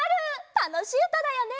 たのしいうただよね！